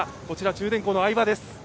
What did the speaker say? こちら中電工の相葉です。